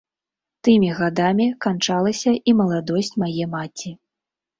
Тымі гадамі канчалася і маладосць мае маці.